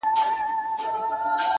دغه د اور ځنځير ناځوانه ځنځير!!